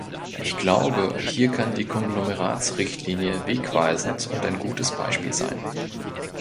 Ich glaube, hier kann die Konglomeratsrichtlinie wegweisend und ein gutes Beispiel sein.